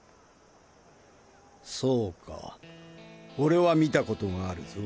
そうか俺は見たことがあるぞ。